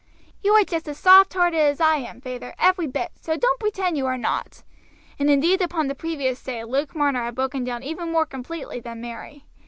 "You are just as soft hearted as I am, feyther, every bit, so don't pretend you are not;" and indeed upon the previous day Luke Marner had broken down even more completely than Mary.